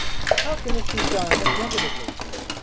How can this be done but negatively?